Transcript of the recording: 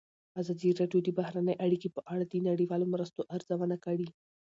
ازادي راډیو د بهرنۍ اړیکې په اړه د نړیوالو مرستو ارزونه کړې.